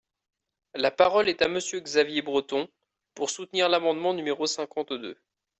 La parole est à Monsieur Xavier Breton, pour soutenir l’amendement numéro cinquante-deux.